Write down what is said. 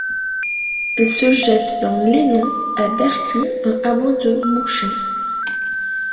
Elle se jette dans l’Elnon à Bercu, un hameau de Mouchin.